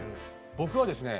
僕はですね